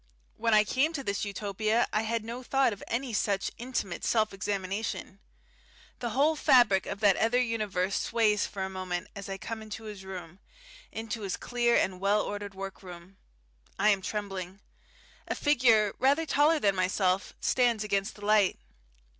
When I came to this Utopia I had no thought of any such intimate self examination. The whole fabric of that other universe sways for a moment as I come into his room, into his clear and ordered work room. I am trembling. A figure rather taller than myself stands against the light.